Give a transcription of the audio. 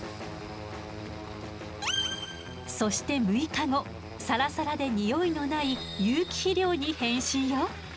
そして６日後サラサラでニオイのない有機肥料に変身よ。